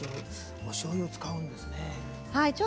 おしょうゆを使うんですね。